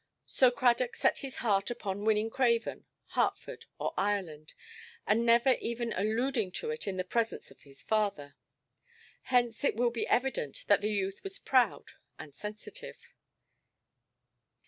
So Cradock set his heart upon winning Craven, Hertford, or Ireland, and never even alluding to it in the presence of his father. Hence it will be evident that the youth was proud and sensitive.